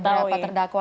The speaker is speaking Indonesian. iya beberapa terdakwa